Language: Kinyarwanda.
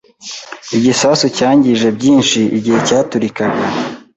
Igisasu cyangije byinshi igihe cyaturikaga.